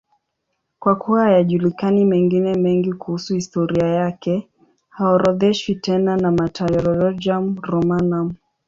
Kwa kuwa hayajulikani mengine mengi kuhusu historia yake, haorodheshwi tena na Martyrologium Romanum.